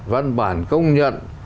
văn bản công nhận